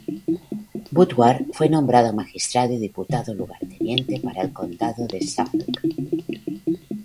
Woodward fue nombrado magistrado y diputado-lugarteniente para el condado de Suffolk.